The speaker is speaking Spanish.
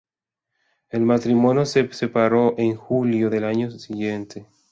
El matrimonio se separó en julio del año siguiente.